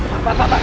pak pak pak pak